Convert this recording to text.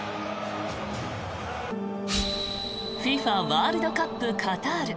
ＦＩＦＡワールドカップカタール。